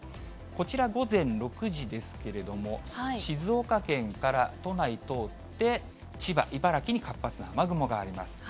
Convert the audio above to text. こちら、午前６時ですけれども、静岡県から都内通って、千葉、茨城に活発な雨雲があります。